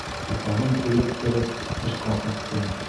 Китабын ҡуйып тороп, тышҡа сыҡты.